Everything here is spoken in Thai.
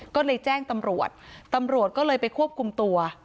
ก็เลยแจ้งตำรวจตำรวจก็เลยไปควบคุมตัว